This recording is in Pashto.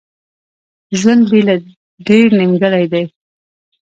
ژوند بیله تا ډیر نیمګړی دی.